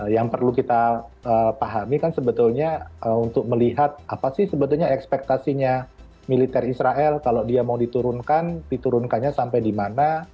yang perlu kita pahami kan sebetulnya untuk melihat apa sih sebetulnya ekspektasinya militer israel kalau dia mau diturunkan diturunkannya sampai di mana